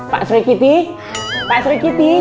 pasur kitih pasur kitih